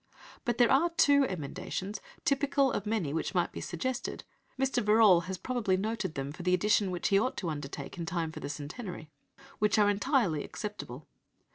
But there are two emendations, typical of many which might be suggested (Mr. Verrall has probably noted them for the edition which he ought to undertake in time for the centenary), which are entirely acceptable.